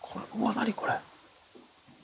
何これ。